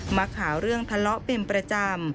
มาหาเรื่องทะเลาะเป็นประจำ